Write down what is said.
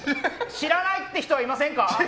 知らないって人はいませんか？